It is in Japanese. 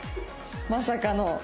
まさかの。